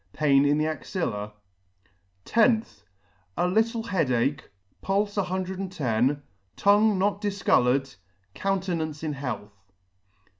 Pain in the axilla, loth. A little head ache ; pulfe no* tongue not difcoloured ; countenance in health.